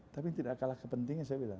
tapi tidak kalah kepentingan saya bilang